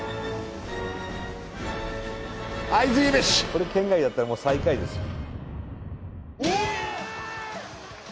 これ圏外だったら最下位ですよ